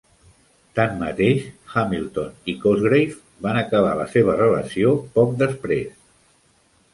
Tanmateix, Hamilton i Cosgrave van acabar la seva relació poc després.